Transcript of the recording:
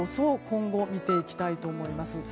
今後、見ていきたいと思います。